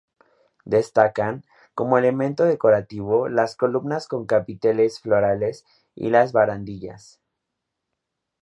Destacan, como elemento decorativo, las columnas con capiteles florales y las barandillas.